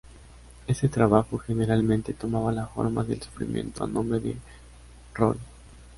Este trabajo generalmente tomaba la forma del sufrimiento a nombre de Rory.